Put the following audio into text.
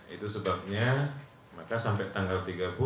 itu sebabnya maka sampai tanggal tiga puluh